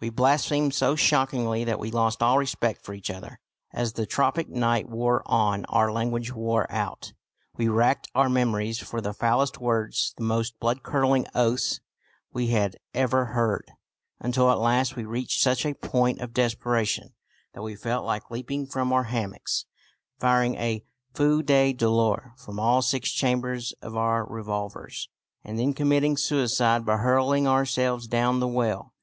We blasphemed so shockingly that we lost all respect for each other. As the tropic night wore on our language wore out. We racked our memories for the foulest words, the most blood curdling oaths we had ever heard, until at last we reached such a point of desperation that we felt like leaping from our hammocks, firing a feu de douleur from all six chambers of our revolvers, and then committing suicide by hurling ourselves down the well.